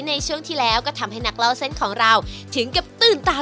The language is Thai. ในช่วงที่แล้วก็ทำให้นักเล่าเส้นของเราถึงกับตื่นตา